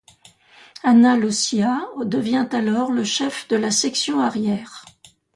Ana Lucia devient alors le chef de la section arrière.